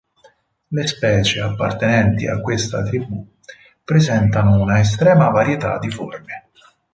Le specie appartenenti a questa tribù presentano una estrema varietà di forme.